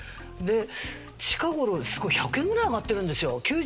で近頃すごい１００円ぐらい上がってるんですよ。